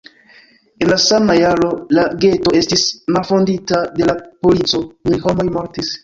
En la sama jaro la geto estis malfondita de la polico; mil homoj mortis.